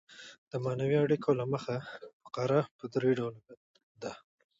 د معنوي اړیکو له مخه فقره پر درې ډوله ده.